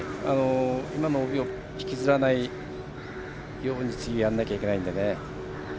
今のＯＢを引きずらないように次やらなきゃいけないので。